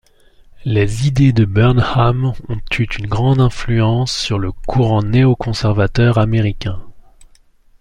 Les idées de Burnham ont eu une grande influence sur le courant néoconservateur américain.